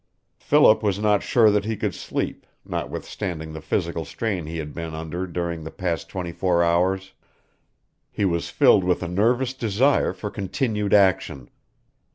Philip was not sure that he could sleep, notwithstanding the physical strain he had been under during the past twenty four hours. He was filled with a nervous desire for continued action.